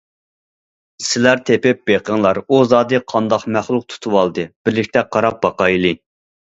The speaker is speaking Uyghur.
سىلەر تېپىپ بېقىڭلار، ئۇ زادى قانداق مەخلۇق تۇتۇۋالدى؟ بىرلىكتە قاراپ باقايلى!